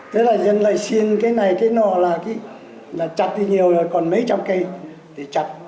thế là dân lại xin cái này cái nọ là chặt đi nhiều rồi còn mấy trăm cây thì chặt